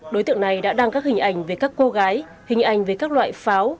đối tượng này đã đăng các hình ảnh về các cô gái hình ảnh về các loại pháo